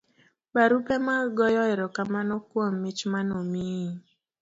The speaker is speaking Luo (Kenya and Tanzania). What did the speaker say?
barupe mag goyo erokamano kuom mich manomiyi